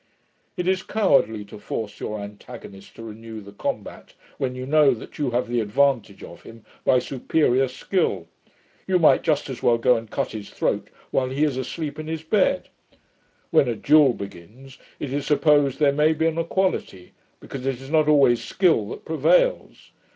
It is cowardly to force your antagonist to renew the combat, when you know that you have the advantage of him by superior skill. You might just as well go and cut his throat while he is asleep in his bed. When a duel begins, it is supposed there may be an equality; because it is not always skill that prevails.